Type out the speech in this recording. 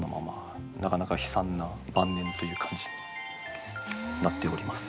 なかなか悲惨な晩年という感じになっております。